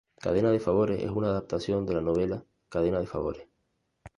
Cadena de favores es una adaptación de la novela "Cadena de favores".